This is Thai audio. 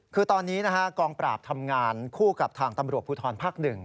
คือตอนนี้กองปราบทำงานคู่กับทางตำรวจภูทรภักดิ์หนึ่ง